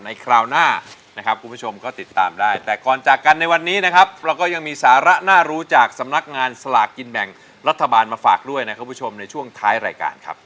คราวหน้านะครับคุณผู้ชมก็ติดตามได้แต่ก่อนจากกันในวันนี้นะครับเราก็ยังมีสาระน่ารู้จากสำนักงานสลากกินแบ่งรัฐบาลมาฝากด้วยนะครับคุณผู้ชมในช่วงท้ายรายการครับ